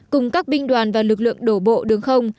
cùng các binh đoàn và lực lượng đổ bộ đường không